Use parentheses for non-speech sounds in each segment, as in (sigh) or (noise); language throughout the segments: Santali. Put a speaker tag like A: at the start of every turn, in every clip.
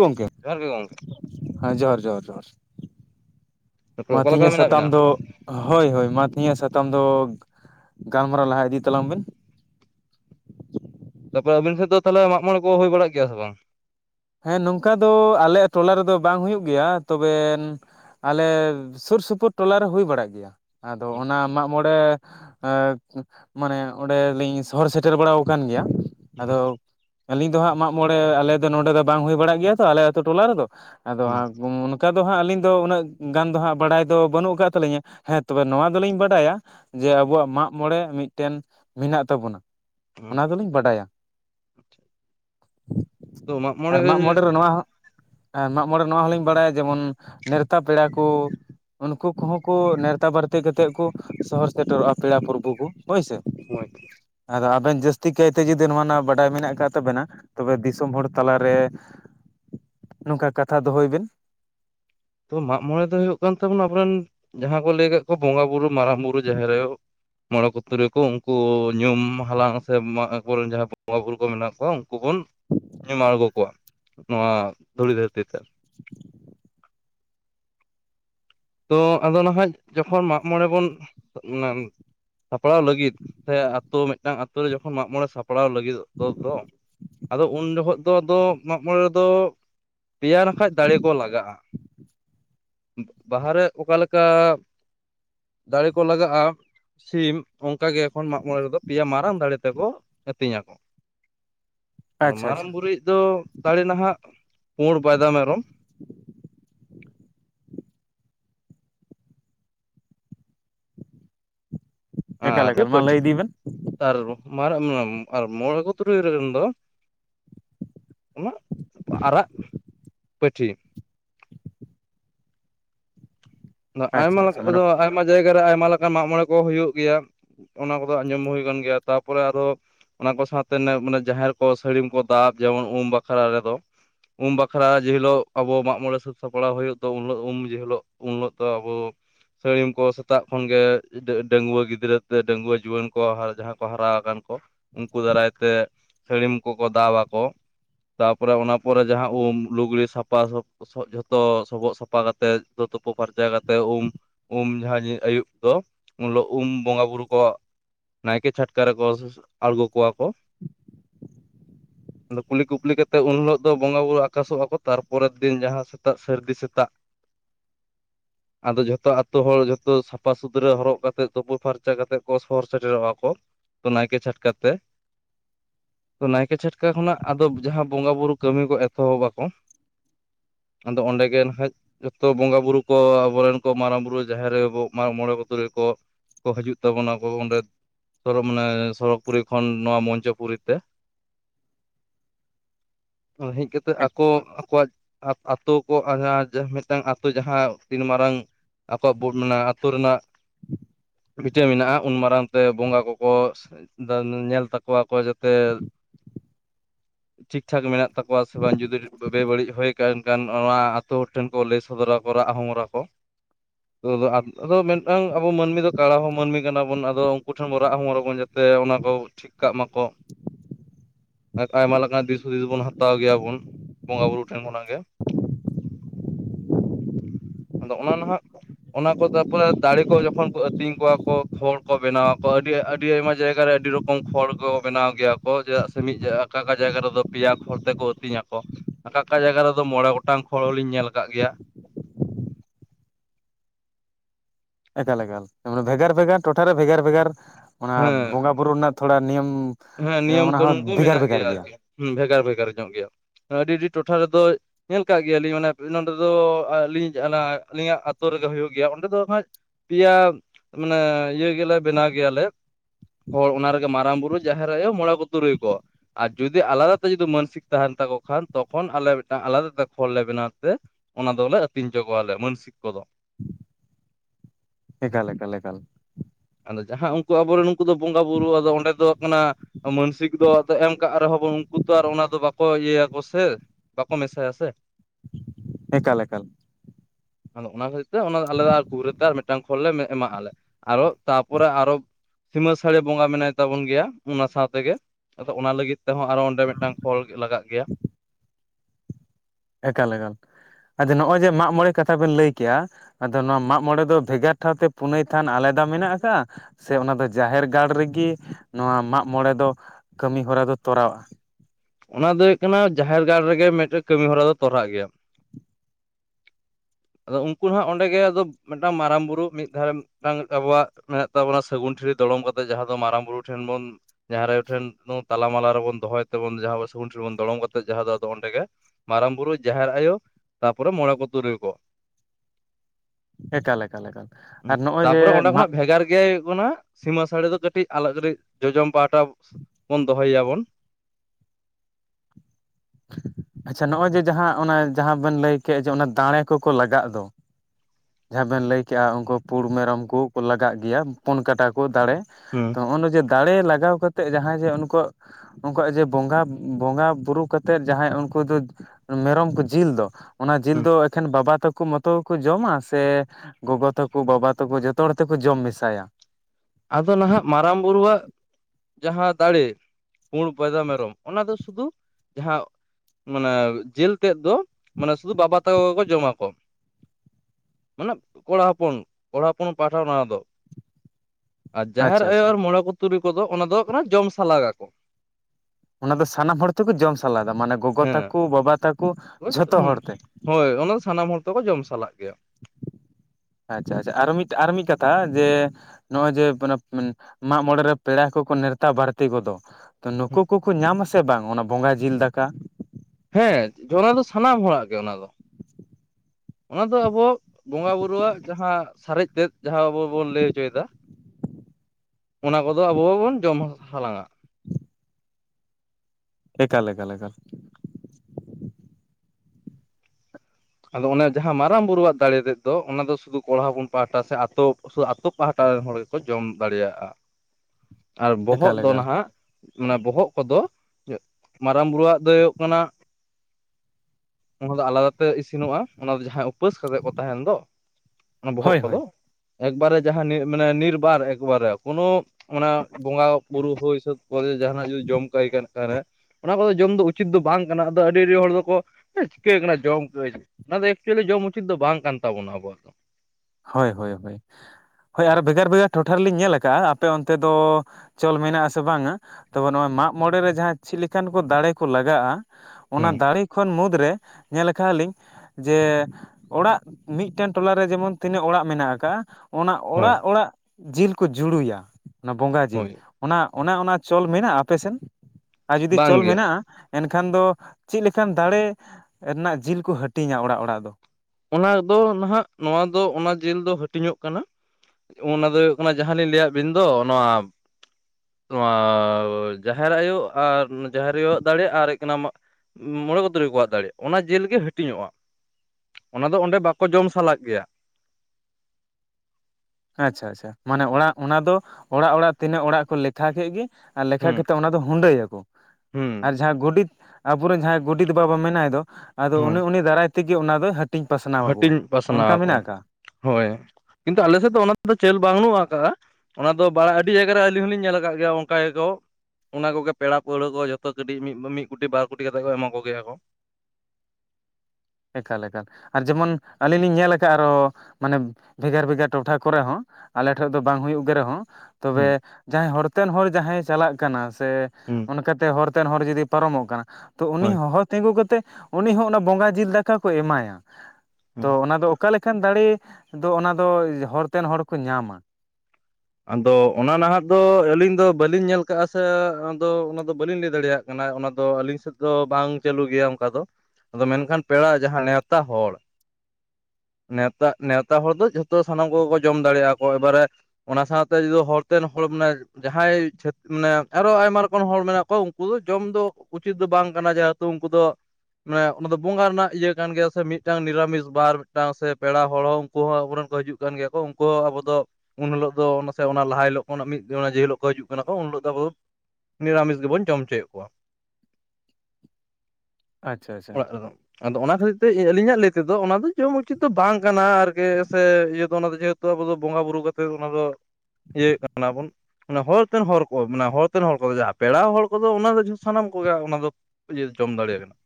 A: ᱜᱚᱝᱠᱮ᱾
B: ᱡᱚᱦᱟᱨ ᱜᱮ ᱜᱚᱝᱠᱮ
A: ᱦᱮᱸ ᱡᱚᱦᱟᱨ ᱡᱚᱦᱟᱨ ᱡᱚᱦᱟᱨ ᱾
B: ᱛᱟᱯᱚᱨᱮ
A: ᱢᱟ
B: ᱚᱠᱟ ᱞᱮᱠᱟ
A: ᱛᱮᱦᱮᱧᱟᱜ
B: ᱢᱮᱱᱟᱜ
A: ᱥᱟᱛᱟᱢ
B: ᱵᱤᱱᱟ
A: ᱫᱚ ᱾ ᱦᱳᱭ ᱦᱳᱭ ᱢᱟ ᱛᱮᱦᱮᱧᱟᱜ ᱥᱟᱛᱟᱢ ᱫᱚ ᱜᱟᱞᱢᱟᱨᱟᱣ ᱞᱟᱦᱟ ᱤᱫᱤ ᱛᱟᱞᱟᱝ ᱵᱮᱱ ᱾
B: ᱛᱟᱯᱚᱨ ᱟᱵᱤᱱ ᱥᱮᱫ ᱫᱚ ᱛᱟᱦᱮᱞᱮ ᱢᱟᱜ ᱢᱟᱬᱮ ᱠᱚ ᱦᱩᱭ ᱵᱟᱲᱟᱜ ᱜᱮᱭᱟ ᱥᱮ ᱵᱟᱝ ᱾
A: ᱦᱮᱸ ᱱᱚᱝᱠᱟ ᱫᱚ ᱟᱞᱮᱭᱟᱜ ᱴᱚᱞᱟ ᱨᱮᱫᱚ ᱵᱟᱝ ᱦᱩᱭᱩᱜ ᱜᱮᱭᱟ ᱛᱚᱵᱮᱱ ᱟᱞᱮ ᱥᱩᱨ ᱥᱩᱯᱩᱨ ᱴᱚᱞᱟ ᱨᱮ ᱦᱩᱭ ᱵᱟᱲᱟᱜ ᱜᱮᱭᱟ ᱟᱫᱚ ᱚᱱᱟ ᱢᱟᱜ ᱢᱚᱬᱮ ᱢᱟᱱᱮ ᱚᱸᱰᱮᱞᱤᱧ ᱥᱚᱦᱚᱨ ᱥᱮᱴᱮᱨ ᱵᱟᱲᱟᱣ ᱟᱠᱟᱱ ᱜᱮᱭᱟ ᱟᱫᱚ ᱟᱞᱤᱧ ᱫᱚ ᱦᱟᱸᱜ ᱢᱟᱜ ᱢᱚᱬᱮ ᱟᱞᱮ ᱫᱚ ᱱᱚᱰᱮ ᱫᱚ ᱵᱟᱝ ᱦᱩᱭ ᱵᱟᱲᱟᱜ ᱜᱮᱭᱟ ᱛᱚ ᱟᱞᱮ ᱟᱹᱛᱩ ᱴᱚᱞᱟ ᱨᱮᱫᱚ ᱟᱫᱚ
B: ᱦᱩᱸ
A: ᱦᱟᱸᱜ ᱩᱱ ᱠᱟ ᱫᱚ ᱦᱟᱸᱜ ᱟᱹᱞᱤᱧ ᱫᱚ ᱩᱱᱟᱹᱜ ᱜᱟᱱ ᱫᱚ ᱦᱟᱸᱜ ᱵᱟᱰᱟᱭ ᱫᱚ ᱵᱟᱹᱱᱩᱜ ᱟᱠᱟᱫ ᱛᱟᱹᱞᱤᱧᱟ ᱦᱮᱸ ᱛᱚᱵᱮ ᱱᱚᱣᱟ ᱫᱚᱞᱤᱧ ᱵᱟᱰᱟᱭᱟ ᱾ ᱡᱮ ᱟᱵᱚᱣᱟᱜ ᱢᱟᱜ ᱢᱚᱬᱮ ᱢᱤᱫᱴᱮᱱ ᱢᱮᱱᱟᱜ ᱛᱟᱵᱚᱱᱟ
B: ᱦᱩᱸ
A: ᱚᱱᱟ ᱫᱚᱞᱤᱧ ᱵᱟᱰᱟᱭᱟ ᱾
B: ᱛᱚ ᱢᱟᱜ ᱢᱚᱬᱮ
A: ᱟᱨ
B: ᱾
A: ᱨᱮ ᱱᱚᱣᱟ ᱢᱟᱜ ᱢᱚᱬᱮ ᱱᱚᱣᱟ ᱦᱚᱞᱤᱧ ᱵᱟᱲᱟᱭᱟ ᱡᱮᱢᱚᱱ ᱱᱮᱣᱛᱟ ᱯᱮᱲᱟ ᱠᱚ ᱾ ᱩᱱᱠᱩ ᱠᱚᱦᱚᱸ ᱠᱚ ᱱᱮᱣᱛᱟ ᱵᱟᱨᱛᱤ ᱠᱟᱛᱮᱫ ᱠᱚ ᱥᱚᱦᱚᱨ ᱥᱮᱴᱮᱨᱚᱜᱼᱟ ᱯᱮᱲᱟ ᱯᱚᱨᱵᱷᱩ ᱠᱚ ᱦᱳᱭ ᱥᱮ ᱾
B: ᱦᱚᱭ ᱾
A: ᱟᱫᱚ ᱟᱵᱮᱱ ᱡᱟᱹᱥᱛᱤ ᱠᱟᱭᱛᱮ ᱡᱩᱫᱤ ᱱᱚᱣᱟ ᱵᱟᱰᱟᱭ ᱢᱮᱱᱟᱜ ᱟᱠᱟᱫ ᱛᱟᱵᱮᱱᱟ ᱛᱚᱵᱮ ᱫᱤᱥᱚᱢ ᱦᱚᱲ ᱛᱟᱞᱟ ᱨᱮ ᱱᱚᱝᱠᱟ ᱠᱟᱛᱷᱟ ᱫᱚᱦᱚᱭ ᱵᱮᱱ ᱾
B: ᱛᱚ ᱢᱟᱜ ᱢᱚᱬᱮ ᱫᱚ ᱦᱩᱭᱩᱜ ᱠᱟᱱ ᱛᱟᱵᱚᱱᱟ ᱟᱵᱚᱨᱮᱱ ᱡᱟᱦᱟᱸᱭ ᱠᱚ ᱞᱟᱹᱭ ᱠᱟᱫ ᱠᱚᱣᱟ ᱵᱚᱸᱜᱟ ᱵᱩᱨᱩ ᱢᱟᱨᱟᱝ ᱵᱩᱨᱩ ᱡᱟᱦᱮᱨ ᱟᱭᱳᱜ ᱾ ᱢᱚᱬᱮ ᱠᱚ ᱛᱩᱨᱩᱭ ᱠᱚ ᱩᱱᱠᱩ ᱧᱩᱢ ᱦᱟᱞᱟᱝ ᱥᱮ ᱟᱵᱚᱨᱮᱱ ᱡᱟᱦᱟᱸᱭ ᱵᱚᱸᱜᱟ ᱵᱩᱨᱩ ᱠᱚ ᱢᱮᱱᱟᱜ ᱠᱚᱣᱟ ᱾ ᱩᱱᱠᱩ ᱵᱚᱱ ᱧᱩᱢ ᱟᱬᱜᱚ ᱠᱚᱣᱟ ᱱᱚᱣᱟ ᱫᱷᱩᱲᱤ ᱫᱷᱟᱹᱨᱛᱤ ᱛᱮ ᱾ ᱛᱚ ᱟᱫᱚ ᱱᱟᱦᱟᱜ ᱡᱚᱠᱷᱚᱱ ᱢᱟᱜ ᱢᱚᱬᱮ ᱵᱚᱱ ᱥᱟᱯᱲᱟᱣ ᱞᱟᱹᱜᱤᱫ ᱥᱮ ᱟᱛᱳ ᱢᱤᱫᱴᱟᱱ ᱟᱛᱳ ᱨᱮ ᱡᱚᱠᱷᱚᱱ ᱢᱟᱜ ᱢᱚᱬᱮ ᱥᱟᱯᱲᱟᱣ ᱞᱟᱹᱜᱤᱫ ᱫᱚ ᱟᱫᱚ ᱩᱱ ᱡᱚᱠᱷᱚᱡ ᱫᱚ ᱟᱫᱚ ᱢᱟᱜ ᱢᱚᱬᱮ ᱫᱚ ᱯᱮᱭ ᱱᱟᱠᱷᱟᱡ ᱫᱟᱸᱲᱮ ᱠᱚ ᱞᱟᱜᱟᱜᱼᱟ ᱾ ᱵᱟᱦᱟᱨᱮ ᱚᱠᱟ ᱞᱮᱠᱟ ᱫᱟᱸᱲᱮ ᱠᱚ ᱞᱟᱜᱟᱜᱼᱟ ᱾ ᱥᱤᱢ ᱚᱱᱠᱟᱜᱮ ᱮᱠᱷᱚᱱ ᱢᱟᱜ ᱢᱚᱬᱮ ᱨᱮᱫᱚ ᱯᱮᱭᱟ ᱢᱟᱨᱟᱝ ᱫᱟᱲᱮ ᱛᱮᱠᱚ ᱟᱹᱛᱤᱧᱟ᱾ ᱟᱫᱚ
A: ᱟᱪᱪᱷᱟ
B: ᱢᱟᱨᱟᱝ
A: ᱟᱪᱪᱷᱟ
B: ᱵᱩᱨᱤᱡ ᱫᱚ ᱫᱟᱸᱲᱮ ᱱᱟᱦᱟᱜ ᱯᱩᱬ ᱵᱟᱭᱫᱟ ᱢᱮᱨᱚᱢ ᱾
A: ᱮᱠᱟᱞ
B: ᱟᱨ
A: ᱮᱠᱟᱞ ᱢᱟ ᱞᱟᱹᱭ ᱤᱫᱤ ᱵᱮᱱ
B: (inaudible) ᱟᱨ ᱢᱟᱨᱟᱜ ᱢᱮᱱᱮ ᱟᱨ ᱢᱚᱬᱮ ᱠᱚ ᱛᱩᱨᱩᱭ ᱨᱮᱱ ᱫᱚ ᱾ ᱚᱱᱟ ᱟᱨᱟᱜ ᱯᱟᱹᱴᱷᱤ ᱟᱭᱢᱟ
A: ᱟᱪᱪᱷᱟ
B: ᱞᱮᱠᱟ
A: ᱟᱪᱪᱷᱟ ᱢᱟᱱᱮ
B: ᱫᱚ ᱟᱭᱢᱟ ᱡᱟᱭᱜᱟ ᱨᱮ ᱟᱭᱢᱟ ᱞᱮᱠᱟᱱ ᱢᱟᱜ ᱢᱚᱬᱮ ᱠᱚ ᱦᱩᱭᱩᱜ ᱜᱮᱭᱟ᱾ ᱚᱱᱟ ᱠᱚᱫᱚ ᱟᱸᱡᱚᱢ ᱦᱩᱭ ᱟᱠᱟᱱ‌ ᱜᱮᱭᱟ ᱛᱟᱯᱚᱨᱮ ᱟᱨᱚ ᱚᱱᱟ ᱠᱚ ᱥᱟᱶᱛᱮ ᱢᱟᱱᱮ ᱡᱟᱦᱮᱨ ᱠᱚ ᱥᱟᱹᱲᱤᱢ ᱠᱚ ᱫᱟᱵ ᱡᱮᱢᱚᱱ ᱩᱢ ᱵᱟᱠᱷᱨᱟ ᱨᱮᱫᱚ ᱩᱢ ᱵᱟᱠᱷᱨᱟ ᱡᱮᱦᱤᱞᱳᱜ ᱟᱵᱚ ᱢᱟᱜ ᱢᱚᱬᱮ ᱥᱟᱹᱛ ᱥᱟᱯᱲᱟᱣ ᱦᱩᱭᱩᱜ ᱛᱚ ᱩᱱᱤᱞᱳᱜ ᱩᱢ ᱡᱮ ᱦᱤᱞᱳᱜ ᱩᱱ ᱦᱤᱞᱳᱜ ᱛᱚ ᱟᱵᱚ ᱥᱟᱹᱲᱤᱢ ᱠᱚ ᱥᱮᱛᱟᱜ ᱠᱷᱚᱱ ᱜᱮ ᱰᱟᱺᱜᱩᱣᱟᱹ ᱜᱤᱫᱽᱨᱟᱹ ᱛᱮ ᱰᱟᱺᱜᱩᱣᱟᱹ ᱡᱩᱣᱟᱹᱱ ᱠᱚ ᱡᱟᱦᱟᱸ ᱠᱚ ᱦᱟᱨᱟ ᱟᱠᱟᱱ ᱠᱚ ᱩᱱᱠᱩ ᱫᱟᱨᱟᱭ ᱛᱮ ᱥᱟᱹᱲᱤᱢ ᱠᱚᱠᱚ ᱫᱟᱵ ᱟᱠᱚ ᱛᱟᱯᱚᱨᱮ ᱚᱱᱟ ᱯᱚᱨᱮ ᱡᱟᱦᱟᱸ ᱩᱢ ᱞᱩᱜᱽᱲᱤ ᱥᱟᱯᱷᱟ ᱥᱟᱯ ᱡᱷᱚᱛᱚ ᱥᱚᱵᱚᱜ ᱥᱟᱯᱷᱟ ᱠᱟ ᱠᱟᱛᱮ ᱡᱩᱟᱹ ᱛᱩᱯᱩ ᱯᱷᱟᱨᱪᱟ ᱡᱟ ᱠᱟᱛᱮ ᱩᱢ ᱩᱢ ᱡᱟᱦᱟᱸ ᱟᱹᱭᱩᱵ ᱫᱚ ᱩᱱ ᱦᱤᱞᱳᱜ ᱩᱢ ᱵᱚᱸᱜᱟ ᱵᱩᱨᱩ ᱠᱚ ᱱᱟᱭᱠᱮ ᱪᱷᱟᱴᱠᱟ ᱨᱮᱠᱚ ᱟᱬᱜᱚ ᱠᱚᱣᱟ ᱠᱚ ᱟᱫᱚ ᱠᱩᱞᱤ ᱠᱩᱯᱞᱤ ᱠᱟᱛᱮᱮᱫ ᱩᱱ ᱦᱤᱞᱳᱜ ᱫᱚ ᱵᱚᱸᱜᱟ ᱵᱩᱨᱩ ᱟᱠᱟᱠᱟᱥᱚᱜᱼᱟᱠᱚ ᱛᱟᱨᱯᱚᱨᱮᱨ ᱫᱤᱱ ᱡᱟᱦᱟᱸ ᱥᱮᱛᱟᱜ ᱥᱟᱹᱨᱫᱤ ᱥᱮᱛᱟᱜ ᱟᱫᱚ ᱡᱷᱚᱛᱚ ᱟᱛᱳ ᱦᱚᱲ ᱡᱷᱚᱛᱚ ᱥᱟᱯᱷᱟ ᱥᱩᱛᱨᱟᱹ ᱦᱚᱨᱚᱜ ᱠᱟᱛᱮᱮᱫ ᱛᱩᱯᱩ ᱯᱷᱟᱨᱪᱟ ᱠᱟᱛᱮᱫ ᱠᱚ ᱥᱚᱦᱚᱨ ᱥᱮᱴᱮᱨᱚᱜᱼᱟ ᱠᱚ ᱚ ᱱᱟᱭᱠᱮ ᱪᱷᱟᱴᱠᱟ ᱛᱮ ᱛᱚ ᱱᱟᱭᱠᱮ ᱪᱷᱟᱴᱠᱟ ᱠᱷᱚᱱᱟᱜ ᱟᱫᱚ ᱡᱟᱦᱟᱸ ᱵᱚᱸᱜᱟ ᱵᱩᱨᱩ ᱠᱟᱹᱢᱤ ᱠᱚ ᱮᱛᱚᱦᱚᱵᱟᱠᱚ ᱟᱫᱚ ᱚᱸᱰᱮ ᱜᱮ ᱱᱟᱦᱟᱜ ᱡᱚᱛᱚ ᱵᱚᱸᱜᱟ ᱵᱩᱨᱩ ᱠᱚ ᱟᱵᱚᱨᱮᱱ ᱠᱚ ᱢᱟᱨᱟᱝ ᱵᱩᱨᱩ ᱡᱟᱦᱮᱨ ᱨᱮ ᱢᱚᱬᱮ ᱠᱚ ᱛᱩᱨᱩᱭ ᱠᱚ ᱠᱚ ᱦᱤᱡᱩᱜ ᱛᱟᱵᱚᱱᱟ ᱠᱚ ᱚᱸᱰᱮ ᱥᱚᱨ ᱢᱟᱱᱮ ᱥᱚᱨᱚᱜᱽ ᱯᱩᱨᱤ ᱠᱷᱚᱱ ᱱᱚᱣᱟ ᱢᱚᱧᱪᱚᱯᱩᱨᱤ ᱛᱮ (inaudible) ᱦᱮᱡ ᱠᱟᱛᱮᱫ ᱟᱠᱚ ᱟᱠᱚᱣᱟᱜ ᱟᱛᱳ ᱠᱚ ᱢᱤᱫᱴᱟᱝ ᱟᱛᱳ ᱡᱟᱦᱟᱸ ᱛᱤᱱ ᱢᱟᱨᱟᱝ ᱟᱠᱚᱣᱟᱜ ᱵᱚᱱ (unintelligible) ᱢᱮᱱᱟᱜ ᱟᱹᱛᱩ ᱨᱮᱱᱟᱜ ᱤᱤᱴᱟᱹ (unintelligible) ᱢᱮᱱᱟᱜᱼᱟ ᱩᱱ ᱢᱟᱨᱟᱝ ᱛᱮ ᱵᱚᱸᱜᱟ ᱠᱚᱠᱚ ᱧᱮᱞ ᱛᱟᱠᱚᱣᱟ ᱠᱚ ᱡᱟᱛᱮ ᱴᱷᱤᱠᱴᱷᱟᱠ ᱢᱮᱱᱟᱜ ᱛᱟᱠᱚᱣᱟ ᱥᱮ ᱵᱟᱝ ᱡᱩᱫᱤ ᱵᱮᱵᱟᱹᱲᱤᱡ ᱦᱳᱭ ᱠᱟᱱᱠᱷᱟᱱ ᱚᱱᱟ ᱟᱛᱳ ᱴᱷᱮᱱ ᱠᱚ ᱞᱟᱹᱭ ᱥᱚᱫᱚᱨᱟᱚ ᱠᱚ ᱨᱟᱜ ᱦᱚᱸᱢᱚ ᱠᱚᱲᱟ ᱠᱚ (unintelligible) ᱟᱫᱚ ᱢᱤᱫᱴᱟᱝ ᱟᱵᱚ ᱢᱟᱹᱱᱢᱤ ᱫᱚ ᱠᱟᱲᱟ ᱦᱚ ᱢᱟᱹᱱᱢᱤ ᱠᱟᱱᱟ ᱵᱚᱱ ᱟᱫᱚ ᱩᱱᱠᱩ ᱴᱷᱮᱱ ᱵᱚᱱ ᱨᱟᱜ ᱦᱚᱸᱢᱚᱨᱟᱵᱚᱱ ᱡᱟ ᱛᱮ ᱚᱱᱟ ᱠᱚ ᱴᱷᱤᱠ ᱠᱟᱜ ᱢᱟᱠᱚ ᱟᱭᱢᱟ ᱞᱮᱠᱟᱱᱟ ᱫᱤᱥ ᱦᱩᱫᱤᱥ ᱵᱚᱱ ᱦᱟᱛᱟᱣ ᱜᱮᱭᱟᱵᱚᱱ ᱵᱚᱸᱜᱟ ᱵᱩᱨᱩ ᱴᱷᱮᱱ ᱠᱷᱚᱱᱟᱜ ᱜᱮ᱾ ᱟᱫᱚ ᱚᱱᱟ ᱱᱟᱦᱟᱜ ᱚᱱᱟ ᱠᱚ ᱛᱟᱯᱚᱨᱮ ᱫᱟᱲᱮ ᱠᱚ ᱡᱚᱠᱷᱚᱱ ᱠᱚ ᱟᱹᱛᱤᱧ ᱠᱚᱣᱟ ᱠᱚ ᱠᱷᱚᱲ ᱠᱚ ᱵᱮᱱᱟᱣᱟᱚ ᱟᱹᱰᱤ ᱟᱹᱰᱤ ᱟᱭᱢᱟ ᱡᱟᱭᱜᱟ ᱨᱮ ᱟᱹᱰᱤ ᱨᱚᱠ ᱠᱚᱢ ᱠᱷᱚᱲ ᱠᱚ ᱵᱮᱱᱟᱣ ᱜᱮᱭᱟ ᱠᱚ ᱪᱮᱫᱟᱜ ᱥᱮ ᱢᱤᱫ ᱡᱟ ᱚᱠᱟ ᱚᱠᱟ ᱡᱟᱭᱜᱟ ᱨᱮᱫᱚ ᱯᱮᱭᱟ ᱠᱷᱚᱲ ᱛᱮᱠᱚ ᱟᱹᱛᱤᱧᱟᱠᱚ ᱚᱠᱟ ᱚᱠᱟ ᱡᱟᱭᱜᱟ ᱨᱮᱫᱚ ᱢᱚᱬᱮ ᱜᱚᱴᱟᱝ ᱠᱷᱚᱲ ᱦᱚᱞᱤᱧ ᱧᱮᱞ ᱟᱠᱟᱫ ᱜᱮᱭᱟ᱾
A: ᱮᱠᱟᱞ ᱮᱠᱟᱞ ᱵᱷᱮᱜᱟᱨ ᱵᱷᱮᱜᱟᱨ ᱴᱚᱴᱷᱟᱨᱮ ᱵᱷᱮᱜᱟᱨ ᱵᱷᱮᱜᱟᱨ, ᱚᱱᱟ
B: ᱦᱮᱸ
A: ᱵᱚᱸᱜᱟ ᱵᱩᱨᱩ ᱨᱮᱱᱟᱜ ᱛᱷᱚᱲᱟ ᱱᱤᱭᱚᱢ
B: ᱦᱮᱸ ᱱᱤᱭᱚᱢ
A: ᱚᱱᱟ
B: ᱠᱟᱹᱱᱩᱱ ᱠᱚ
A: ᱦᱚᱸ ᱵᱷᱮᱜᱟᱨ
B: ᱢᱮᱱᱟᱜ
A: ᱵᱷᱮᱜᱟᱨ
B: ᱜᱮᱭᱟ ᱟᱨᱠᱤ ᱵᱷᱮᱜᱟᱨ ᱵᱷᱮᱜᱟᱨ ᱧᱚᱜ ᱜᱮᱭᱟ ᱟᱹᱰᱤ ᱟᱹᱰᱤ ᱴᱚᱴᱷᱟ ᱨᱮᱫᱚ ᱧᱮᱞ ᱠᱟᱜ ᱜᱮᱭᱟᱞᱤᱧ ᱢᱟᱱᱮ ᱱᱚᱸᱰᱮ ᱫᱚ ᱟᱹᱞᱤᱧ ᱟᱹᱞᱤᱧᱟᱜ ᱟᱛᱳ ᱨᱮᱜᱮ ᱦᱩᱭᱩᱜ ᱜᱮᱭᱟ ᱚᱸᱰᱮ ᱫᱚ ᱦᱟᱸᱜ ᱯᱮᱭᱟ ᱢᱟᱱᱮ ᱤᱭᱟᱹ ᱜᱮᱞᱮ ᱵᱮᱱᱟᱣ ᱜᱮᱭᱟᱞᱮ ᱦᱚᱲ ᱚᱱᱟ ᱨᱮᱜᱮ ᱢᱟᱨᱟᱝ ᱵᱩᱨᱩ ᱡᱟᱦᱮᱨ ᱟᱭᱳ ᱢᱚᱬᱮ ᱠᱚ ᱛᱩᱨᱩᱭ ᱠᱚ ᱟᱨ ᱡᱩᱫᱤ ᱟᱞᱟᱫᱟ ᱛᱮ ᱡᱩᱫᱤ ᱢᱟᱱᱥᱤᱠ ᱛᱟᱦᱮᱱ ᱛᱟᱠᱚ ᱠᱷᱟᱱ ᱛᱚᱠᱷᱚᱱ ᱟᱞᱮ ᱢᱤᱫᱴᱟᱝ ᱟᱞᱟᱫᱟ ᱛᱮ ᱠᱷᱚᱲ ᱞᱮ ᱵᱮᱱᱟᱣ ᱛᱮ ᱚᱱᱟ ᱫᱚᱞᱮ ᱟᱹᱛᱤᱧ ᱦᱚᱪᱚ ᱠᱚᱣᱟᱞᱮ ᱢᱟᱹᱱᱥᱤᱠ ᱠᱚᱫᱚ
A: ᱦᱠᱟᱞᱮᱠᱟᱞᱮᱠᱟᱞ
B: ᱟᱫᱚ ᱡᱟᱦᱟᱸ ᱩᱱᱠᱩ ᱟᱵᱚᱨᱮᱱ ᱩᱱᱠᱩ ᱫᱚ ᱵᱚᱸᱜᱟ ᱵᱩᱨᱩᱜᱼᱟ ᱟᱫᱚ ᱚᱸᱰᱮ ᱫᱚ ᱠᱟᱱᱟ ᱢᱟᱹᱱᱥᱤᱠ ᱫᱚ ᱮᱢ ᱠᱟᱜ ᱨᱮᱦᱚᱸ ᱵᱚᱱ ᱩᱱᱠᱩ ᱛᱚ ᱟᱨ ᱚᱱᱟ ᱫᱚ ᱵᱟᱠᱚ ᱤᱭᱟᱹᱭᱟᱠᱚ ᱥᱮ ᱵᱟᱠᱚ ᱢᱮᱥᱟᱭᱟ ᱥᱮ
A: ᱮᱠᱟᱞ ᱮᱠᱟᱞ
B: ᱟᱫᱚ ᱚᱱᱟ ᱠᱷᱟᱹᱛᱤᱨ ᱛᱮ ᱚᱱᱟ ᱟᱞᱮ ᱫᱚ ᱜᱷᱩᱨᱟᱹᱛᱮ ᱟᱨ ᱢᱤᱫᱴᱟᱝ ᱠᱷᱚᱲ ᱞᱮ ᱮᱢᱟᱜᱼᱟᱞᱮ ᱟᱨᱚ ᱛᱟᱯᱚᱨᱮ ᱟᱨᱚ ᱥᱤᱢᱟᱹ ᱥᱟᱹᱲᱤ ᱵᱚᱸᱜᱟ ᱢᱮᱱᱟᱭ ᱛᱟᱵᱚᱱ ᱜᱮᱭᱟ ᱚᱱᱟ ᱥᱟᱶᱛᱮᱜᱮ ᱟᱫᱚ ᱚᱱᱟ ᱞᱟᱹᱜᱤᱫ ᱛᱮᱦᱚᱸ ᱟᱨᱚ ᱚᱸᱰᱮ ᱢᱤᱫᱴᱟᱝ ᱠᱷᱚᱞ ᱞᱟᱜᱟᱜ ᱜᱮᱭᱟ
A: ᱮᱠᱟᱞᱮᱠᱟᱞ, ᱟᱫᱚ ᱱᱚᱜᱼᱚᱭ ᱡᱮ ᱢᱟᱜ ᱢᱚᱬᱮ ᱠᱟᱛᱷᱟ ᱵᱮᱱ ᱞᱟᱹᱭ ᱠᱮᱜᱼᱟ ᱟᱫᱚ ᱱᱚᱣᱟ ᱢᱟᱜᱢᱚᱬᱮ ᱫᱚ ᱵᱷᱮᱜᱟᱨ ᱴᱷᱟᱶᱛᱮ ᱯᱩᱱᱟᱹᱭ ᱛᱷᱟᱱ ᱟᱞᱮᱫᱟ ᱢᱮᱱᱟᱜ-ᱟ ᱠᱟᱜᱼᱟ ᱥᱮ ᱚᱱᱟ ᱫᱚ ᱡᱟᱦᱮᱨ ᱜᱟᱲ ᱨᱮᱜᱤ ᱱᱚᱣᱟ ᱢᱟᱜ ᱢᱚᱬᱮ ᱫᱚ ᱠᱟᱹᱢᱤ ᱦᱚᱨᱟ ᱫᱚ ᱛᱚᱨᱟᱣᱚᱜᱼᱟ
B: ᱚᱱᱟ ᱫᱚ ᱭᱳᱜ ᱠᱟᱱᱟ ᱡᱟᱦᱮᱨ ᱜᱟᱲ ᱨᱮᱜᱮ ᱢᱤᱫᱴᱮᱡ ᱠᱟᱹᱢᱤ ᱦᱚᱨᱟ ᱫᱚ ᱛᱚᱨᱟᱜ ᱜᱮᱭᱟ ᱟᱫᱚ ᱩᱱᱠᱩ ᱦᱟᱸᱜ ᱚᱸᱰᱮ ᱜᱮ ᱟᱫᱚ ᱢᱮᱫᱴᱟᱝ ᱢᱟᱨᱟᱝ ᱵᱩᱨᱩ ᱢᱤᱜ ᱫᱷᱟᱨᱮ (inaudible) ᱟᱵᱚᱣᱟᱜ ᱢᱮᱱᱟᱜ ᱛᱟᱵᱚᱱᱟ ᱥᱟᱹᱜᱩᱱ ᱴᱷᱤᱨᱤ ᱫᱚᱲᱚᱢ ᱠᱟᱛᱮᱜ ᱡᱟᱦᱟᱸ ᱫᱚ ᱢᱟᱨᱟᱝ ᱵᱩᱨᱩ ᱴᱷᱮᱱ ᱵᱚᱱ ᱡᱟᱦᱮᱨ ᱟᱭᱳ ᱴᱷᱮᱱ ᱛᱟᱞᱟ ᱢᱟᱞᱟ ᱨᱮᱵᱚᱱ ᱫᱚᱦᱚᱭ ᱛᱮᱵᱚᱱ ᱡᱟᱦᱟᱸ ᱥᱟᱹᱜᱩᱱ (inaudible) ᱵᱚᱱ ᱫᱚᱲᱚᱢ ᱠᱟᱛᱮᱜ ᱡᱟᱦᱟᱸ ᱫᱚ ᱟᱫᱚ ᱚᱸᱰᱮ ᱜᱮ ᱢᱟᱨᱟᱝ ᱵᱩᱨᱩ ᱡᱟᱦᱮᱨ ᱟᱭᱳ ᱛᱟᱯᱚᱨᱮ ᱢᱚᱬᱮ ᱠᱚ ᱛᱩᱨᱩᱭ ᱠᱚ
A: ᱮᱠᱟᱞ ᱮᱠᱟᱞ ᱮᱠᱟᱞ
B: ᱩ
A: ᱟᱨ ᱱᱚᱜᱼᱚᱭ ᱡᱮ
B: ᱛᱟᱯᱚᱨᱮ ᱚᱸᱰᱮ
A: ᱢᱟᱜ
B: ᱠᱷᱚᱱᱟᱜ ᱵᱷᱮᱜᱟᱨ ᱜᱮ ᱚᱱᱟ ᱥᱤᱢᱟᱹ ᱥᱟᱹᱲᱮ ᱫᱚ ᱠᱟᱹᱴᱤᱡ ᱟᱞᱟᱜ ᱨᱮᱜ ᱡᱚᱡᱚᱢ ᱯᱟᱦᱴᱟ ᱵᱚᱱ ᱫᱚᱦᱚᱭᱮᱭᱟ ᱵᱚᱱ
A: ᱟᱪᱪᱷᱟ ᱱᱚᱜᱼᱚᱭ ᱡᱮ ᱡᱟᱦᱟᱸ ᱚᱱᱮ ᱡᱟᱦᱟᱸ ᱵᱮᱱ ᱞᱟᱹᱭ ᱠᱮᱫ ᱡᱮ ᱚᱱᱟ ᱫᱟᱸᱬᱮ ᱠᱚᱠᱚ ᱞᱟᱜᱟᱜ ᱫᱚ᱾ ᱡᱟᱦᱟᱸ ᱵᱮᱱ ᱞᱟᱹᱭ ᱠᱮᱜᱼᱟ ᱩᱱᱠᱩ ᱯᱩᱲ ᱢᱮᱨᱚᱢ ᱠᱩ ᱞᱟᱜᱟᱜ ᱜᱮᱭᱟ ᱯᱩᱱ ᱠᱟᱴᱟ ᱠᱚ ᱫᱟᱬᱮ
B: ᱦᱩᱸ
A: ᱛᱚ ᱦᱚᱜᱼᱱᱚ ᱡᱮ ᱫᱟᱬᱮ ᱞᱟᱜᱟᱣ ᱠᱟᱛᱮᱫ ᱡᱟᱦᱟᱸᱭ ᱡᱮ ᱩᱱᱠᱩᱣᱟᱜ ᱩᱱᱠᱩᱣᱟᱜ ᱡᱮ ᱵᱚᱸᱜᱟ ᱵᱚᱸᱜᱟ ᱵᱩᱨᱩ ᱠᱟᱛᱮᱫ ᱡᱟᱦᱟᱸᱭ ᱩᱱᱠᱩ ᱫᱚ ᱢᱮᱨᱚᱢ ᱠᱚ ᱡᱤᱞ ᱫᱚ, ᱚᱱᱟ ᱡᱤᱞ
B: ᱦᱩᱸ
A: ᱫᱚ ᱮᱠᱷᱮᱱ ᱵᱟᱵᱟ ᱛᱟᱠᱩ ᱢᱚᱛᱚ ᱜᱮᱠᱚ ᱡᱚᱢᱟ ᱥᱮ ᱜᱚᱜᱚ ᱛᱟᱠᱚ ᱵᱟᱵᱟ ᱛᱟᱠᱚ ᱡᱚᱛᱚ ᱦᱚᱲ ᱛᱮᱠᱚ ᱡᱚᱢ ᱢᱮᱥᱟᱭᱟ?
B: ᱟᱫᱚ ᱱᱟᱦᱟᱜ ᱢᱟᱨᱟᱝ ᱵᱩᱨᱩᱣᱟᱜ ᱡᱟᱦᱟᱸ ᱫᱟᱲᱮ ᱯᱩᱸᱲ ᱵᱮᱭᱫᱟ ᱢᱮᱨᱚᱢ ᱚᱱᱟ ᱫᱚ ᱥᱩᱫᱩ ᱡᱟᱦᱟᱸ ᱢᱟᱱᱮ ᱡᱮᱹᱞ ᱛᱮᱫ ᱫᱚ ᱢᱟᱱᱮ ᱥᱩᱫᱩ ᱵᱟᱵᱟ ᱛᱟᱠᱚ ᱜᱮᱠᱚ ᱡᱚᱢᱟ ᱠᱚ ᱢᱟᱱᱮ ᱠᱚᱲᱟ ᱦᱚᱯᱚᱱ ᱠᱚᱲᱟ ᱦᱚᱯᱚᱱ ᱯᱟᱦᱴᱟ ᱚᱱᱟ ᱫᱚ ᱟᱨ ᱡᱟᱦᱮᱨ
A: ᱟᱪᱪᱷᱟ
B: ᱟᱭᱳ
A: ᱟᱪᱪᱷᱟ
B: ᱟᱨ ᱢᱚᱬᱮ ᱠᱚ ᱛᱩᱨᱩᱭ ᱠᱚᱫᱚ ᱚᱱᱟ ᱫᱚ ᱠᱟᱱᱟ ᱡᱚᱢ ᱥᱟᱞᱟᱜ ᱟᱠᱚ᱾
A: ᱚᱱᱟ ᱫᱚ ᱥᱟᱱᱟᱢ ᱦᱚᱲ ᱛᱮᱠᱩ ᱡᱚᱢ ᱥᱟᱞᱟᱜ-ᱟ ᱢᱟᱱᱮ ᱜᱚᱜᱚ
B: ᱦᱮᱸ
A: ᱛᱟᱠᱚ ᱵᱟᱵᱟ ᱛᱟᱠᱚ ᱡᱷᱚᱛᱚ ᱦᱚᱲ ᱛᱮ
B: ᱦᱳᱭ ᱚᱱᱟ ᱫᱚ ᱥᱟᱱᱟᱢ ᱦᱚᱲ ᱛᱮᱠᱚ ᱡᱚᱢ ᱥᱟᱞᱟᱜ ᱜᱮᱭᱟ᱾
A: ᱟᱪᱪᱷᱟ ᱟᱪᱷᱟ ᱟᱨᱚ ᱢᱤᱫ ᱟᱨ ᱢᱤᱫ ᱠᱟᱛᱷᱟ ᱡᱮ ᱱᱚᱜᱼᱚᱭ ᱡᱮ ᱢᱟᱜ ᱢᱚᱬᱮ ᱨᱮ ᱯᱮᱲᱟ ᱠᱚᱠᱚ ᱱᱮᱣᱛᱟ ᱵᱟᱲᱛᱤ ᱠᱚᱫᱚ ᱛᱚ ᱱᱩᱠᱩ ᱠᱚᱠᱩ ᱧᱟᱢ ᱟᱥᱮ ᱵᱟᱝ ᱚᱱᱟ ᱵᱚᱸᱜᱟ ᱡᱤᱞ ᱫᱟᱠᱟ
B: ᱦᱮᱸ (inaudible) ᱫᱚ ᱥᱟᱱᱟᱢ ᱦᱚᱲᱟᱜ ᱜᱮ ᱚᱱᱟ ᱫᱚ ᱚᱱᱟ ᱫᱚ ᱟᱵᱚ ᱵᱚᱸᱜᱟ ᱵᱩᱨᱩᱣᱟᱜ ᱡᱟᱦᱟᱸ ᱥᱟᱨᱮᱡ ᱛᱮᱫ ᱡᱟᱦᱟᱸ ᱟᱵᱚ ᱵᱚ ᱞᱟᱹᱭ ᱦᱚᱪᱚᱭᱮᱫᱟ᱾ ᱚᱱᱟ ᱠᱚᱫᱚ ᱟᱵᱚ ᱦᱚᱸᱵᱚᱱ ᱡᱚᱢ ᱦᱟᱞᱟᱝᱼᱟ᱾
A: ᱮᱠᱟᱞ ᱮᱠᱟᱞ ᱮᱠᱟᱞ
B: ᱟᱫᱚ ᱚᱱᱮ ᱡᱟᱦᱟᱸ ᱢᱟᱨᱟᱝ ᱵᱩᱨᱩᱣᱟᱜ ᱫᱟᱲᱮ ᱛᱮᱫ ᱫᱚ ᱚᱱᱟ ᱫᱚ ᱥᱩᱫᱩ ᱠᱚᱲᱟ ᱦᱚᱯᱚᱱ ᱯᱟᱦᱴᱟ ᱥᱮ ᱟᱹᱛᱩ ᱥᱩᱫᱩ ᱟᱛᱳ ᱯᱟᱦᱴᱟ ᱨᱮᱱ ᱦᱚᱲ ᱜᱮᱠᱚ ᱡᱚᱢ ᱫᱟᱲᱮᱭᱟᱜᱼᱟ ᱟᱨ ᱵᱚᱦᱚᱜ
A: ᱮᱠᱟᱞ
B: ᱫᱚ
A: ᱮᱠᱟᱞ
B: ᱱᱟᱦᱟᱜ ᱢᱟᱱᱮ ᱵᱚᱦᱚᱜ ᱠᱚᱫᱚ ᱢᱟᱨᱟᱝ ᱵᱩᱨᱩᱣᱟᱜ ᱫᱚ ᱦᱳᱭᱳᱜ ᱠᱟᱱᱟ ᱚᱱᱟ ᱫᱚ ᱟᱞᱟᱫᱟ ᱛᱮ ᱤᱥᱤᱱᱚᱜᱼᱟ ᱚᱱᱟ ᱡᱟᱦᱟᱸᱭ ᱩᱯᱟᱹᱥ ᱠᱟᱛᱮᱜ ᱠᱚ ᱛᱟᱦᱮᱱ ᱫᱚ ᱚᱱᱟ ᱵᱚᱦᱚᱜ
A: ᱦᱳᱭ ᱦᱳᱭ
B: ᱠᱚᱫᱚ ᱮᱠᱵᱟᱨᱮ ᱡᱟᱦᱟᱸ (inaudible) ᱢᱟᱱᱮ ᱱᱤᱨᱵᱟᱨ ᱮᱠᱵᱟᱨᱮ ᱠᱳᱱᱳ ᱢᱟᱱᱮ ᱵᱚᱸᱜᱟ ᱵᱩᱨᱩ ᱦᱩᱭ ᱥᱟᱹᱛ (inaudible) ᱡᱟᱦᱟᱱᱟᱜ (inaudible) ᱡᱚᱢ ᱠᱟᱭ ᱠᱟᱱᱟ ᱚᱱᱟ ᱠᱚᱫᱚ ᱡᱚᱢ ᱫᱚ ᱩᱪᱤᱛ ᱫᱚ ᱵᱟᱝ ᱠᱟᱱᱟ ᱟᱫᱚ ᱟᱹᱰᱤ ᱟᱹᱰᱤ ᱦᱚᱲ ᱫᱚᱠᱚ ᱪᱤᱠᱟᱹᱭ ᱠᱟᱱᱟ ᱡᱚᱢ ᱠᱟᱹ ᱚᱱᱟ ᱫᱚ ᱮᱠᱪᱩᱭᱮᱞᱤ ᱡᱚᱢ ᱩᱪᱤᱛ ᱫᱚ ᱵᱟᱝ ᱠᱟᱱ ᱛᱟᱵᱚᱱᱟ ᱟᱵᱚᱣᱟᱜ ᱫᱚ᱾
A: ᱦᱳᱭ ᱦᱳᱭ ᱦᱳᱭ ᱟᱨ ᱵᱷᱮᱜᱟᱨ ᱵᱷᱮᱜᱟᱨ ᱴᱚᱴᱷᱟ ᱨᱮᱞᱤᱧ ᱧᱮᱞ ᱠᱟᱜᱼᱟ ᱟᱯᱮ ᱚᱱᱛᱮ ᱫᱚ ᱪᱚᱞ ᱢᱮᱱᱟᱜ ᱟ ᱥᱮ ᱵᱟᱝᱟ ᱛᱚᱵᱮ ᱱᱚᱣᱟ ᱢᱟᱜ ᱢᱚᱬᱮ ᱨᱮ ᱡᱟᱦᱟᱸ ᱪᱤᱫ ᱞᱮᱠᱟᱱ ᱠᱚ ᱫᱟᱲᱮ ᱠᱚ ᱞᱟᱜᱟᱜᱼᱟ ᱚᱱᱟ
B: ᱦᱩᱸ
A: ᱫᱟᱲᱮ ᱠᱷᱚᱱ ᱢᱩᱫᱽᱨᱮ ᱧᱮᱞ ᱠᱟᱜ-ᱟ ᱞᱤᱧ ᱡᱮ ᱚᱲᱟᱜ ᱢᱤᱫᱴᱮᱱ ᱴᱚᱞᱟ ᱨᱮ ᱡᱮᱢᱚᱱ ᱛᱤᱱᱟᱹᱜ ᱚᱲᱟᱜ ᱢᱮᱱᱟᱜ ᱟᱠᱟᱜᱼᱟ ᱚᱱᱟ
B: ᱦᱳᱭ
A: ᱚᱲᱟᱜ ᱚᱲᱟᱜ ᱡᱤᱞ ᱠᱚ ᱡᱩᱲᱩᱭᱟ ᱚᱱᱟ ᱵᱚᱸᱜᱟ ᱡᱤᱞ
B: ᱦᱳᱭ
A: ᱚᱱᱟ ᱚᱱᱮ ᱚᱱᱟ ᱪᱚᱞ ᱢᱮᱱᱟᱜᱼᱟ ᱟᱯᱮᱥᱮᱫ ᱟᱨ ᱡᱩᱫᱤ ᱪᱚᱞ
B: ᱵᱟᱝᱜᱮ
A: ᱢᱮᱱᱟᱜᱼᱟ, ᱮᱱᱠᱷᱟᱱ ᱫᱚ ᱪᱤᱫ ᱞᱮᱠᱟᱱ ᱫᱟᱲᱮ ᱨᱮᱱᱟᱜ ᱡᱤᱞ ᱠᱚ ᱦᱟᱹᱴᱤᱧᱟ ᱚᱲᱟᱜ ᱚᱲᱟᱜ ᱫᱚ?
B: ᱚᱱᱟ ᱫᱚ ᱱᱟᱦᱟᱜ ᱱᱚᱣᱟ ᱫᱚ ᱚᱱᱟ ᱡᱮᱞ ᱫᱚ ᱦᱟᱹᱴᱤᱧᱚᱜ ᱠᱟᱱᱟ᱾ ᱚᱱᱟ ᱫᱚ ᱦᱳᱭᱳᱜ ᱠᱟᱱᱟ ᱡᱟᱦᱟᱸ ᱞᱤᱧ ᱞᱟᱹᱭ ᱟᱫ ᱵᱤᱱ ᱫᱚ ᱱᱚᱣᱟ ᱱᱚᱣᱟ ᱡᱟᱦᱮᱨ ᱟᱭᱳ ᱟᱨ ᱡᱟᱦᱮᱨ ᱟᱭᱳᱟᱜ ᱫᱟᱲᱮ ᱟᱨ ᱦᱳᱭᱳᱜ ᱠᱟᱱᱟ ᱢᱚᱬᱮ ᱠᱚ ᱛᱩᱨᱩᱭ ᱠᱚᱣᱟᱜ ᱫᱟᱲᱮ ᱚᱱᱟ ᱡᱮᱞ ᱜᱮ ᱦᱟᱹᱴᱤᱧᱚᱜᱼᱟ᱾ ᱚᱱᱟ ᱫᱚ ᱚᱸᱰᱮ ᱵᱟᱠᱚ ᱡᱚᱢ ᱥᱟᱞᱟᱜ ᱜᱮᱭᱟ᱾
A: ᱟᱪᱪᱷᱟ ᱟᱪᱪᱷᱟ ᱢᱟᱱᱮ ᱚᱲᱟᱜ ᱚᱱᱟ ᱫᱚ ᱚᱲᱟᱜ ᱚᱲᱟᱜ ᱛᱤᱱᱟᱹᱜ ᱚᱲᱟᱜ ᱠᱚ ᱛᱷᱟ ᱠᱮᱫ ᱜᱮ ᱟᱨ ᱞᱮᱠᱷᱟ
B: ᱦᱩᱸ
A: ᱠᱟᱛᱮᱫ ᱚᱱᱟ ᱫᱚ ᱦᱩᱰᱟᱹᱭᱟᱠᱚ
B: ᱦᱩᱸ
A: ᱟᱨ ᱡᱟᱦᱟᱸ ᱜᱚᱰᱮᱛ ᱟᱵᱚᱨᱮᱱ ᱡᱟᱦᱟᱸᱭ ᱜᱚᱰᱮᱛ ᱵᱟᱵᱟ ᱢᱮᱱᱟᱭ ᱫᱚ ᱟᱫᱚ
B: ᱦᱩᱸ
A: ᱩᱱᱤ ᱩᱱᱤ ᱫᱟᱨᱟᱭ ᱛᱮᱜᱮ ᱚᱱᱟ ᱫᱚᱭ ᱦᱟᱴᱤᱧ ᱯᱟᱥᱱᱟᱣ ᱟᱠᱚᱣᱟ
B: ᱦᱟᱹᱴᱤᱧ ᱯᱟᱥᱱᱟᱣ
A: ᱚᱱᱠᱟ
B: ᱟᱠᱚᱣᱟ
A: ᱢᱮᱱᱟᱜ ᱟᱠᱟᱫ
B: ᱦᱳᱭ ᱠᱤᱱᱛᱩ ᱟᱞᱮ ᱥᱮᱫ ᱫᱚ ᱚᱱᱟ ᱛᱮᱫ ᱪᱟᱹᱞ ᱵᱟᱹᱱᱩᱜ ᱟᱠᱟᱫᱟᱼᱟ᱾ ᱚᱱᱟ ᱫᱚ ᱵᱟᱲᱟᱭ ᱟᱹᱰᱤ ᱡᱟᱭᱜᱟ ᱨᱮ ᱟᱹᱞᱤᱧ ᱦᱚᱸᱞᱤᱧ ᱧᱮᱞ ᱟᱠᱟᱫ ᱜᱮᱭᱟ ᱚᱱᱠᱟ ᱟᱠᱚ᱾ ᱚᱱᱟ ᱠᱚᱜᱮ ᱯᱮᱲᱟ ᱯᱟᱹᱲᱦᱟᱹ ᱠᱚ ᱡᱚᱛᱚ ᱠᱟᱹᱴᱤᱡ ᱢᱤᱫ ᱠᱳᱴᱤ ᱵᱟᱨ ᱠᱩᱴᱤ ᱠᱟᱛᱮ ᱠᱚ ᱮᱢᱟ ᱠᱚᱜᱮᱭᱟ ᱠᱚ᱾
A: ᱮᱠᱟᱞ ᱟᱨ ᱡᱮᱢᱚᱱ ᱟᱹᱞᱤᱧ ᱞᱤᱧ ᱧᱮᱞ ᱟᱠᱟᱫᱼᱟ ᱟᱨᱚ ᱢᱟᱱᱮ ᱵᱷᱮᱜᱟᱨ ᱵᱷᱮᱜᱟᱨ ᱴᱚᱴᱷᱟ ᱠᱚᱨᱮ ᱦᱚᱸ ᱟᱞᱮ ᱴᱷᱮᱡ ᱫᱚ ᱵᱟᱝ ᱦᱩᱭᱩᱜ ᱜᱮ ᱨᱮᱦᱚᱸ ᱛᱚᱵᱮ
B: ᱦᱩᱸ
A: ᱡᱟᱦᱟᱸᱭ ᱦᱚᱨᱛᱮᱱ ᱦᱚᱲ ᱡᱟᱦᱟᱸᱭ ᱪᱟᱞᱟᱜ ᱠᱟᱱᱟ ᱥᱮ
B: ᱦᱩᱸ
A: ᱠᱟᱛᱮ ᱦᱚᱨᱛᱮᱱ ᱦᱚᱲ ᱡᱩᱫᱤ ᱯᱟᱨᱚᱢᱚᱜ ᱠᱟᱱᱟ ᱛᱚ ᱩᱱᱤ
B: ᱦᱳᱭ
A: ᱦᱚᱦᱚ ᱛᱤᱸᱜᱩ ᱠᱟᱛᱮ ᱩᱱᱤ ᱦᱚᱸ ᱚᱱᱟ ᱵᱚᱸᱜᱟ ᱡᱤᱞ ᱫᱟᱠᱟ ᱠᱟ ᱠᱚ ᱮᱢᱟᱭᱟ ᱛᱚ
B: ᱦᱮᱸ
A: ᱚᱱᱟ ᱫᱚ ᱚᱠᱟ ᱞᱮᱠᱟᱱ ᱫᱟᱲᱮ ᱫᱚ ᱚᱱᱟ ᱫᱚ ᱦᱚᱨᱛᱮᱱ ᱦᱚᱲ ᱠᱚ ᱧᱟᱢᱟ?
B: ᱟᱫᱚ ᱚᱱᱟ ᱱᱟᱦᱟᱜ ᱫᱚ ᱟᱹᱞᱤᱧ ᱫᱚ ᱵᱟᱹᱞᱤᱧ ᱧᱮᱞ ᱠᱟᱜᱼᱟ ᱥᱮ ᱟᱫᱚ ᱚᱱᱟ ᱫᱚ ᱵᱟᱹᱞᱤᱧ ᱞᱟᱹᱭ ᱫᱟᱲᱮᱭᱟᱜ ᱠᱟᱱᱟ ᱚᱱᱟ ᱚᱱᱟ ᱫᱚ ᱟᱹᱞᱤᱧ ᱥᱮᱫ ᱫᱚ ᱵᱟᱝ ᱪᱟᱹᱞᱩ ᱜᱮᱭᱟ ᱚᱱᱠᱟ ᱫᱚ ᱟᱫᱚ ᱢᱮᱱᱠᱷᱟᱱ ᱯᱮᱲᱟ ᱡᱟᱦᱟᱸ ᱱᱮᱶᱛᱟ ᱦᱚᱲ ᱱᱮᱣᱛᱟ ᱱᱮᱛᱟ ᱦᱚᱲ ᱫᱚ ᱡᱷᱚᱛᱚ ᱥᱟᱱᱟᱢ ᱠᱚᱜᱮ ᱠᱚ ᱡᱚᱢ ᱫᱟᱲᱮᱭᱟᱜᱼᱟ ᱠᱚ ᱮᱵᱟᱨᱮ ᱚᱱᱟ ᱥᱟᱶᱛᱮ ᱡᱩᱫᱤ ᱦᱚᱲᱛᱮᱱ ᱦᱚᱲ ᱢᱟᱱᱮ ᱡᱟᱦᱟᱸᱭ ᱪᱷᱟᱹ ᱢᱟᱱᱮ ᱟᱨᱚ ᱟᱭᱢᱟ ᱨᱚᱠᱚᱢ ᱦᱚᱲ ᱢᱮᱱᱟᱜ ᱠᱚᱣᱟ ᱩᱱᱠᱩ ᱫᱚ ᱡᱚᱢ ᱫᱚ ᱩᱪᱤᱛ ᱫᱚ ᱵᱟᱝ ᱠᱟᱱᱟ ᱡᱮᱦᱛᱩ ᱛᱚ ᱩᱱᱠᱩ ᱫᱚ ᱢᱟᱱᱮ ᱚᱱᱟ ᱫᱚ ᱵᱚᱸᱜᱟ ᱨᱮᱱᱟᱜ ᱤᱭᱟᱹ ᱠᱟᱱ ᱜᱮᱭᱟ ᱥᱮ ᱢᱤᱫᱴᱟᱝ ᱱᱤᱨᱟᱢᱤᱥ ᱵᱟᱨ ᱢᱤᱫᱴᱟᱝ ᱥᱮ ᱯᱮᱲᱟ ᱦᱚᱲ ᱦᱚᱸ ᱩᱱᱠᱩ ᱦᱚᱸ ᱟᱵᱚᱨᱮᱱ ᱠᱚ ᱦᱤᱡᱩᱜ ᱠᱟᱱ ᱜᱮᱭᱟ ᱠᱚ ᱩᱱᱠᱩ ᱦᱚᱸ ᱟᱵᱚ ᱫᱚ ᱩᱱ ᱦᱤᱞ ᱱᱟᱥᱮ ᱚᱱᱟ ᱞᱟᱦᱟ ᱦᱤᱞᱳᱜ ᱠᱷᱚᱱᱟᱜ ᱢᱤᱫ ᱚᱱᱟ ᱡᱮᱦᱤᱞᱳᱜ ᱠᱚ ᱦᱤᱡᱩᱜ ᱠᱟᱱᱟ ᱠᱚ ᱩᱱ ᱦᱤᱞᱳᱜ ᱫᱚ ᱱᱤᱨᱟᱢᱤᱥ ᱜᱮᱵᱚᱱ ᱡᱚᱢ ᱦᱚᱪᱚᱭᱮᱫ ᱠᱚᱣᱟ
A: ᱟᱪᱪᱷᱟ ᱟᱪᱪᱷᱟ
B: ᱚᱲᱟᱜ ᱨᱮᱫᱚ ᱟᱫᱚ ᱚᱱᱟ ᱠᱷᱟᱹᱛᱤᱨ ᱛᱮ ᱟᱹᱞᱤᱧᱟᱜ ᱞᱟᱹᱭ ᱛᱮᱫᱚ ᱚᱱᱟ ᱫᱚ ᱡᱚᱢ ᱩᱪᱤᱛ ᱫᱚ ᱵᱟᱝ ᱠᱟᱱᱟ ᱟᱨᱠᱤ ᱥᱮ ᱤᱭᱟᱹ ᱫᱚ ᱟᱵᱚ ᱫᱚ ᱵᱚᱸᱜᱟ ᱵᱩᱨᱩ ᱠᱟᱛᱮᱜ ᱚᱱᱟ ᱫᱚ ᱤᱭᱟᱹ ᱠᱟᱱᱟ ᱵᱚᱱ ᱢᱟᱱᱮ ᱦᱚᱨᱛᱮᱱ ᱦᱚᱲ ᱠᱚ ᱢᱟᱱᱮ ᱦᱚᱲ ᱛᱮ ᱦᱚᱲ ᱠᱚᱫᱚ ᱡᱟᱦᱟᱸ ᱯᱮᱲᱟ ᱦᱚᱲ ᱠᱚᱫᱚ ᱚᱱᱟ ᱫᱚ ᱥᱟᱱᱟᱢ ᱠᱚᱜᱮ ᱚᱱᱟ ᱫᱚ ᱡᱚᱢ ᱫᱟᱲᱮᱭᱟᱜ ᱠᱟᱱᱟ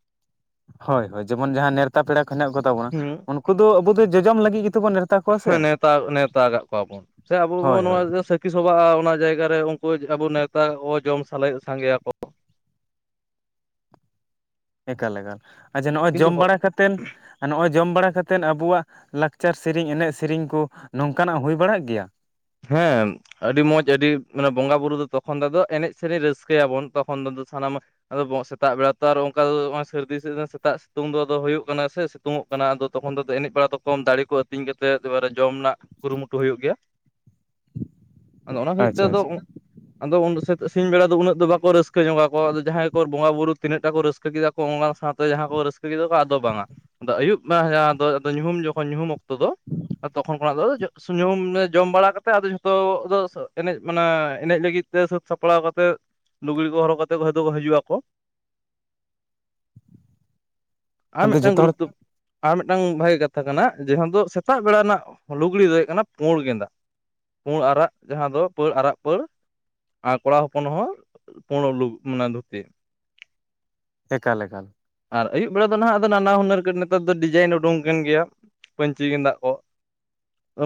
A: ᱦᱳᱭ ᱦᱳᱭ ᱡᱮᱢᱚᱱ ᱡᱟᱦᱟᱸ ᱱᱮᱶᱛᱟ ᱯᱮᱲᱟ ᱠᱚ ᱦᱮᱱᱟᱜ ᱠᱚᱛᱟ ᱵᱚᱱᱟ
B: ᱦᱩᱸ
A: ᱩᱱᱠᱩ ᱫᱚ ᱟᱵᱚ ᱫᱚ ᱡᱚᱡᱚᱢ ᱞᱟᱹᱜᱤᱫ ᱜᱮᱛᱵᱚᱱ ᱱᱮᱣᱛᱟ ᱠᱚᱣᱟ
B: ᱮ
A: ᱥᱮ
B: ᱱᱮᱛᱟ ᱱᱮᱣᱛᱟ ᱠᱟᱜ ᱠᱚᱣᱟᱵᱚᱱ ᱥᱮ ᱟᱵᱚ ᱵᱚᱱ
A: ᱦᱳᱭ
B: ᱱᱚᱣᱟ
A: ᱦᱳᱭ
B: ᱛᱟᱹᱠᱤᱥ ᱥᱚᱵᱟᱜᱼᱟ ᱚᱱᱟ ᱡᱟᱭᱜᱟ ᱨᱮ ᱩᱱᱠᱩ ᱟᱵᱚ ᱱᱮᱛᱟ ᱚ ᱡᱚᱢ ᱥᱟᱞᱮᱫ ᱥᱟᱸᱜᱮᱭᱟᱠᱚ
A: ᱮᱠᱟᱞ ᱮᱠᱟᱞ ᱟᱪᱪᱷᱟ ᱱᱚᱜᱼᱚᱭ
B: ᱠᱤᱱᱛᱩ
A: ᱡᱚᱢ ᱵᱟᱲᱟ ᱠᱟᱛᱮᱫ ᱱᱚᱜᱼᱚᱭ ᱡᱚᱢ ᱵᱟᱲᱟ ᱠᱟᱛᱮᱫ ᱟᱵᱚᱣᱟᱜ ᱞᱟᱠᱪᱟᱨ ᱥᱮᱨᱮᱧ ᱮᱱᱮᱡ ᱥᱮᱨᱮᱧ ᱠᱚ ᱱᱚᱝᱠᱟᱱᱟᱜ ᱦᱩᱭ ᱵᱟᱲᱟᱜ ᱜᱮᱭᱟ?
B: ᱦᱮᱸ ᱟᱹᱰᱤ ᱢᱚᱸᱡᱽ ᱟᱹᱰᱤ ᱢᱟᱱᱮ ᱵᱚᱸᱜᱟ ᱵᱩᱨᱩ ᱫᱚ ᱛᱚᱠᱷᱚᱱ ᱫᱚ ᱮᱱᱮᱡ ᱥᱮᱨᱮᱧ ᱨᱟᱹᱥᱠᱟᱹᱭᱟᱵᱚᱱ ᱛᱚᱠᱷᱚᱱ ᱥᱟᱱᱟᱢ ᱟᱫᱚ ᱥᱮᱛᱟᱜ ᱵᱮᱲᱟ ᱛᱚ ᱟᱨ ᱚᱱᱠᱟ ᱚᱭ ᱥᱟᱹᱨᱫᱤ ᱥᱤᱛᱩᱝ ᱥᱮᱛᱟᱜ ᱥᱤᱛᱩᱝ ᱫᱚ ᱟᱫᱚ ᱦᱩᱭᱩᱜ ᱠᱟᱱᱟ ᱥᱮ ᱩᱝᱚᱜ ᱠᱟᱱᱟ ᱟᱫᱚ ᱛᱚᱠᱷᱚᱱ ᱛᱚ ᱮᱱᱮᱡ ᱵᱟᱲᱟ ᱛᱚᱠᱷᱚᱱ ᱫᱟᱲᱮ ᱠᱚ ᱟᱹᱛᱤᱧ ᱠᱟᱛᱮ ᱫᱟᱨ (unintelligible) ᱡᱚᱢ ᱨᱮᱱᱟᱜ ᱠᱩᱨᱩ ᱢᱩᱴᱩ ᱦᱩᱭᱩᱜ ᱜᱮᱭᱟ ᱟᱫᱚ ᱚᱱᱟ ᱠᱷᱟᱹᱛᱤᱨ ᱛᱮ
A: ᱟᱪᱪᱷᱟ
B: ᱟᱫᱚ
A: ᱟᱪᱪᱷᱟ
B: ᱟᱫᱚ ᱥᱤᱧ ᱵᱮᱲᱟ ᱫᱚ ᱩᱱᱟᱹᱜ ᱫᱚ ᱵᱟᱠᱚ ᱨᱟᱹᱥᱠᱟᱹ ᱧᱚᱜ ᱟᱠᱚ ᱟᱫᱚ ᱡᱟᱦᱟᱸᱭ ᱠᱚ ᱵᱚᱸᱜᱟ ᱵᱩᱨᱩ ᱛᱤᱱᱟᱹᱜ ᱴᱟ ᱠᱚ ᱨᱟᱹᱥᱠᱟᱹ ᱨᱟᱹᱥᱠᱟᱹ ᱠᱮᱫᱟ ᱠᱚ ᱥᱟᱶᱛᱮ ᱡᱟᱦᱟᱸ ᱠᱚ ᱨᱟᱹᱥᱠᱟᱹ ᱠᱮᱫᱟ ᱠᱚ ᱟᱫᱚ ᱵᱟᱝᱟ ᱟᱫᱚ ᱟᱹᱭᱩᱵ ᱢᱟ ᱡᱟᱦᱟᱸ ᱫᱚ ᱧᱩᱦᱩᱢ ᱡᱚᱠᱷᱚᱱ ᱧᱩᱦᱩᱢ ᱚᱠᱛᱚ ᱛᱚ ᱫᱚ ᱛᱚᱠᱷᱚᱱ ᱠᱷᱚᱱᱟᱜ ᱫᱚ ᱥᱩᱢ (unintelligible) ᱡᱚᱢ ᱵᱟᱲᱟ ᱟᱫᱚ ᱡᱷᱚᱛᱚ ᱫᱚ ᱮᱱᱮᱡ ᱢᱟᱱᱮ ᱮᱱᱮᱡ ᱞᱟᱹᱜᱤᱫ ᱛᱮ ᱥᱟᱹᱛ ᱥᱟᱯᱲᱟᱣ ᱠᱟᱛᱮ ᱞᱩᱜᱽᱲᱤ ᱠᱚ ᱦᱚᱨᱚᱜ ᱠᱟᱛᱮᱭ ᱦᱤᱡᱩᱜᱼᱟ ᱠᱚ ᱟᱨ
A: ᱟᱫᱚ
B: ᱢᱤᱫᱴᱟᱱ
A: ᱡᱚᱛᱚ
B: ᱜᱨᱩᱯ
A: ᱦᱚᱲ
B: ᱫᱚ ᱟᱨ ᱢᱤᱫᱴᱟᱝ ᱵᱷᱟᱜᱮ ᱠᱟᱛᱷᱟ ᱠᱟᱱᱟ ᱡᱟᱦᱟᱸ ᱫᱚ ᱥᱮᱛᱟᱜ ᱵᱮᱲᱟ ᱨᱮᱱᱟᱜ ᱞᱩᱜᱽᱲᱤ ᱫᱚ ᱦᱩᱭᱩᱜ ᱠᱟᱱᱟ ᱯᱩᱸᱬ ᱜᱮᱸᱫᱟᱜ ᱯᱩᱬ ᱟᱨᱟᱜ ᱡᱟᱦᱟᱸ ᱫᱚ ᱯᱟᱹᱲ ᱟᱨᱟᱜ ᱯᱟᱹᱲ ᱟᱨ ᱠᱚᱲᱟ ᱦᱚᱯᱚᱱ ᱦᱚᱸ ᱯᱩᱬ ᱢᱟᱱᱮ ᱫᱷᱩᱛᱤ
A: ᱮᱠᱟᱞ ᱮᱠᱟᱞ
B: ᱟᱨ ᱟᱹᱭᱩᱵ ᱵᱮᱲᱟ ᱫᱚ ᱱᱟᱦᱜ ᱟᱫᱚ ᱱᱟᱱᱟ ᱦᱩᱱᱟᱹᱨ ᱱᱮᱛᱟᱨ ᱫᱚ ᱰᱤᱡᱟᱭᱤᱱ ᱩᱰᱩᱠ ᱠᱟᱱ ᱜᱮᱭᱟ ᱯᱟᱧᱪᱤ ᱜᱮᱫᱟᱜ ᱠᱚ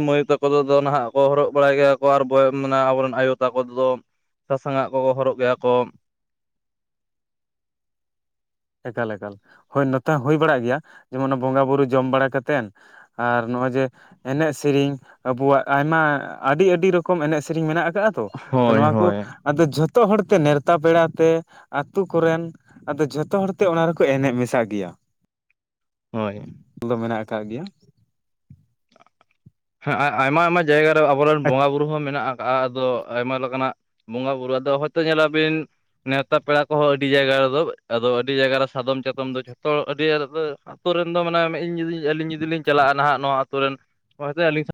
B: ᱢᱟᱹᱭ ᱛᱟᱠᱚᱫᱚ ᱱᱟᱦᱟᱜ ᱠᱚ ᱦᱚᱨᱚᱜ ᱵᱟᱲᱟᱭ ᱜᱮᱭᱟ ᱠᱚ ᱟᱨ ᱢᱟᱱᱮ ᱟᱵᱚᱨᱮᱱ ᱟᱭᱳ ᱛᱟᱠᱚᱫᱚ ᱥᱟᱥᱟᱝᱟᱜ ᱠᱚᱠᱚ ᱦᱚᱨᱚᱜ ᱜᱮᱭᱟ ᱠᱚ
A: ᱮᱠᱟᱞ ᱮᱠᱟᱞ ᱦᱳᱭ ᱱᱚᱛᱮ ᱦᱚᱸ ᱦᱩᱭ ᱵᱟᱲᱟᱜ ᱜᱮᱭᱟ ᱡᱮᱢᱚᱱ ᱵᱚᱸᱜᱟ ᱵᱩᱨᱩ ᱡᱚᱢ ᱵᱟᱲᱟ ᱠᱟᱛᱮᱫ ᱟᱨ ᱱᱚᱜᱼᱚᱭ ᱡᱮ ᱮᱱᱮᱡ ᱥᱮᱨᱮᱧ ᱟᱵᱚᱣᱟᱜ ᱟᱭᱢᱟ ᱟᱹᱰᱤ ᱟᱹᱰᱤ ᱨᱚᱠᱚᱢ ᱮᱱᱮᱡ ᱥᱮᱨᱮᱧ ᱢᱮᱱᱟᱜ ᱟᱠᱟᱫᱟᱼᱟ ᱛ ᱛᱚ
B: ᱦᱳᱭ
A: ᱱᱚᱣᱟ ᱠᱚ
B: ᱦᱳᱭ
A: ᱟᱫᱚ ᱡᱷᱚᱛᱚ ᱦᱚᱲᱛᱮ ᱱᱮᱣᱛᱟ ᱯᱮᱲᱟᱛᱮ ᱟᱛᱳ ᱠᱚᱨᱮᱱ ᱟᱫᱚ ᱡᱚᱛᱚ ᱡᱚᱛᱚ ᱦᱚᱲᱛᱮ ᱚᱱᱟ ᱨᱮᱠᱚ ᱮᱱᱮᱡ ᱢᱮᱥᱟ ᱜᱮᱭᱟ
B: ᱦᱳᱭ
A: ᱫᱚ ᱢᱮᱱᱟᱜ ᱟᱠᱟᱫ ᱜᱮᱭᱟ
B: ᱦᱮᱸ ᱟᱭᱢᱟ ᱟᱭᱢᱟ ᱡᱟᱭᱜᱟ ᱨᱮ ᱟᱵᱚᱨᱮᱱ ᱵᱚᱸᱜᱟ ᱵᱩᱨᱩ ᱦᱚᱸ ᱢᱮᱱᱟᱜ-ᱟ ᱟᱫᱚ ᱟᱭᱢᱟ ᱞᱮᱠᱟᱱᱟᱜ ᱵᱚᱸᱜᱟ ᱵᱩᱨᱩ ᱟᱫᱚ ᱦᱚᱭᱛᱚ ᱧᱮᱞᱟᱵᱤᱱ ᱱᱮᱣᱛᱟ ᱯᱮᱲᱟ ᱠᱚᱦᱚᱸ ᱟᱹᱰᱤ ᱡᱟᱭᱜᱟ ᱨᱮᱫᱚ ᱟᱫᱚ ᱟᱹᱰᱤ ᱡᱟᱭᱜᱟ ᱨᱮ ᱥᱟᱫᱚᱢ ᱪᱟᱛᱚᱢ ᱫᱚ ᱡᱷᱚᱛᱚ ᱟᱹᱰᱤ ᱨᱮ ᱫᱚ ᱟᱛᱳ ᱨᱮᱱ ᱫᱚ ᱢᱟᱱᱮ ᱟᱞᱤᱧ ᱡᱩᱫᱤ ᱟᱹᱞᱤᱧ ᱡᱩᱫᱤ ᱞᱤᱧ ᱪᱟᱞᱟᱜ-ᱟ ᱱᱟᱦᱟᱜ ᱱᱚᱣᱟ ᱟᱛᱳ ᱨᱮᱱ ᱚᱱᱟᱛᱮ ᱟᱹᱞᱤᱧ ᱥᱟᱶ